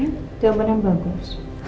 ya itu yang bener bener bagus